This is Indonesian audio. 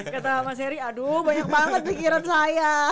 kata mas heri aduh banyak banget pikiran saya